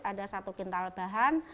ada satu kental bahan